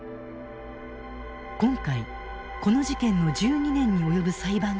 今回この事件の１２年に及ぶ裁判記録を閲覧。